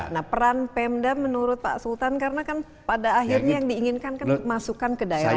nah peran pemda menurut pak sultan karena kan pada akhirnya yang diinginkan kan masukan ke daerah